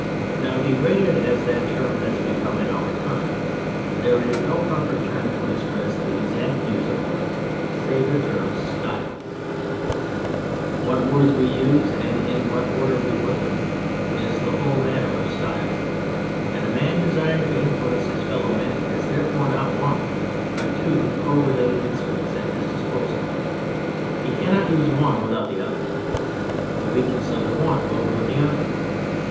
Now, degraded as that term has become in our time, there is no proper term to express the exact use of words save the term " style.'' so THE FRENCH REVOLUTION What words we use, and in what order we put them, is the whole matter of style; and a man desiring to influence his fellow men has therefore not one, but two co related instru ments at his disposal. He cannot use one without the other. The weakness of the one will ruin the other.